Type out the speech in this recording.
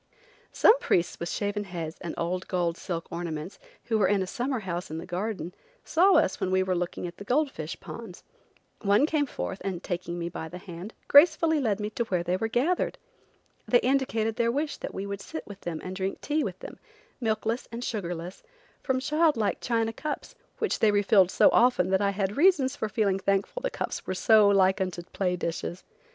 Some priests with shaven heads and old gold silk garments, who were in a summer house in the garden, saw us when we were looking at the gold fish ponds. One came forth, and, taking me by the hand, gracefully led me to where they were gathered. They indicated their wish that we should sit with them and drink tea with them, milkless and sugarless, from child like China cups, which they re filled so often that I had reasons for feeling thankful the cups were so like unto play dishes.